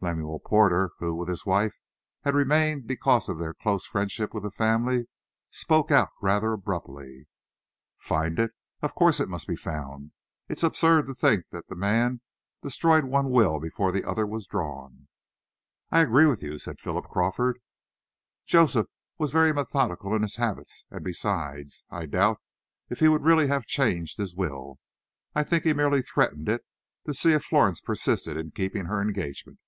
Lemuel Porter, who, with his wife, had remained because of their close friendship with the family, spoke out rather abruptly, "Find it! Of course it must be found! It's absurd to think the man destroyed one will before the other was drawn." "I agree with you," said Philip Crawford. "Joseph was very methodical in his habits, and, besides, I doubt if he would really have changed his will. I think he merely threatened it, to see if Florence persisted in keeping her engagement."